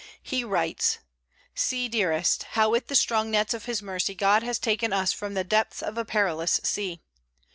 He writes: "See, dearest, how with the strong nets of his mercy God has taken us from the depths of a perilous sea.